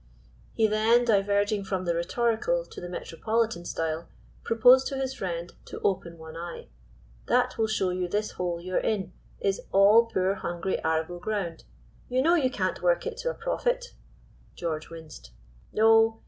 He then, diverging from the rhetorical to the metropolitan style, proposed to his friend "to open one eye. That will show you this hole you are in is all poor hungry arable ground. You know you can't work it to a profit." (George winced.) "No!